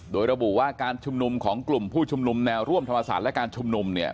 โดยระบุว่าการชุมนุมของกลุ่มผู้ชุมนุมแนวร่วมธรรมศาสตร์และการชุมนุมเนี่ย